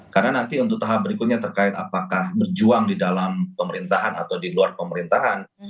karena nanti untuk tahap berikutnya terkait apakah berjuang di dalam pemerintahan atau di luar pemerintahan